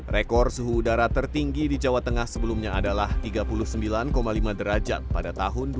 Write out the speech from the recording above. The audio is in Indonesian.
rekor suhu udara tertinggi di jawa tengah sebelumnya adalah tiga puluh sembilan lima derajat pada tahun dua ribu dua